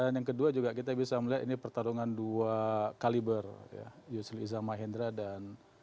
yang kedua juga kita bisa melihat ini pertarungan dua kaliber yusril iza mahendra dan